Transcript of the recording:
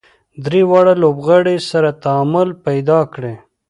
درې واړه لوبغاړي سره تعامل پیدا کړي.